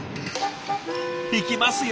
いきますよ